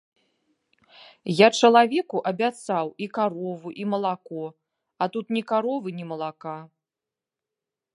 Я чалавеку абяцаў і карову, і малако, а тут ні каровы, ні малака.